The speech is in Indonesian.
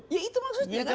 ya itu maksudnya kan